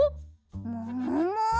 ももも？